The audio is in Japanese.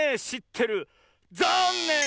ざんねん！